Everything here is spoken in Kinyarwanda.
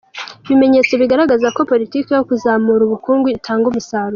Ibimenyetso bigaragaza ko politiki yo kuzamura ubukungu itanga umusaruro.